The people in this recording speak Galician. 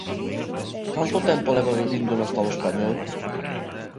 Canto tempo leva vivindo no Estado español?